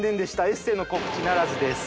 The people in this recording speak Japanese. エッセイの告知ならずです。